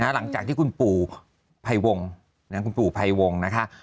หลังจากที่คุณปู่ภัยวงคุณปู่ภัยวงนะคะ